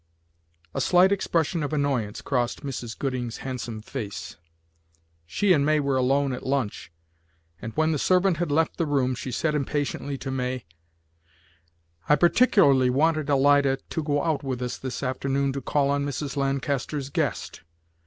A slight expression of annoyance crossed Mrs. Gooding's handsome face. She and May were alone at lunch, and when the servant had left the room she said impatiently to May: "I particularly wanted Alida to go out with us this afternoon to call on Mrs. Lancaster's guest.